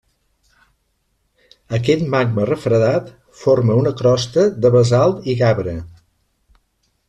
Aquest magma refredat forma una crosta de basalt i gabre.